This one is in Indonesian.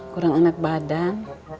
kurang enak badan